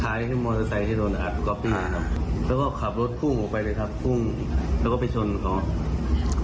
ทราบก็ขับรถพี่อลไปเลยครับกลุ้งแล้วก็ไปชนเนี่ยค่ะ